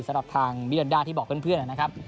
สำหรับทางวิทยาลัยน่าที่บอกเพื่อนอ่ะนะครับ